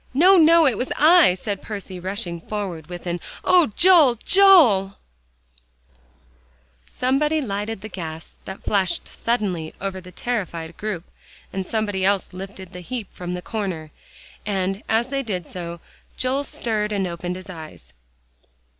"No, no, it was I," and Percy rushed forward with an "Oh, Joel, Joel!" Somebody lighted the gas, that flashed suddenly over the terrified group, and somebody else lifted the heap from the corner. And as they did so, Joel stirred and opened his eyes.